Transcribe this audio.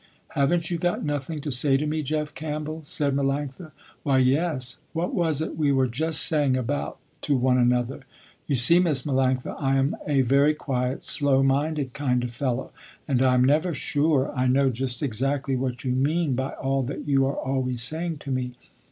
"Haven't you got nothing to say to me Jeff Campbell?" said Melanctha. "Why yes, what was it we were just saying about to one another. You see Miss Melanctha I am a very quiet, slow minded kind of fellow, and I am never sure I know just exactly what you mean by all that you are always saying to me.